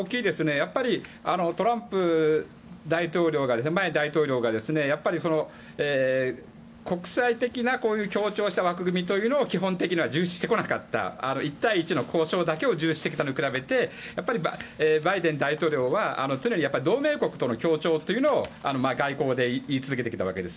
やっぱりトランプさん前の大統領が国際的な強調した枠組みということを基本的には重視してこなかった１対１の交渉だけを重視してきたのに比べてバイデン大統領は常に同盟国との協調というのを外交で言い続けてきたわけです。